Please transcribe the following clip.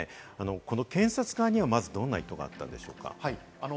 この検察側にはまずどんな意図があったんでしょうか？